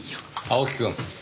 青木くん。